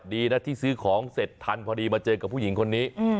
ดีนะที่ซื้อของเสร็จทันพอดีมาเจอกับผู้หญิงคนนี้